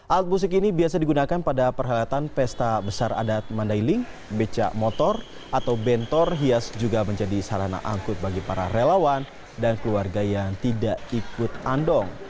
alat musik ini biasa digunakan pada perhelatan pesta besar adat mandailing becak motor atau bentor hias juga menjadi sarana angkut bagi para relawan dan keluarga yang tidak ikut andong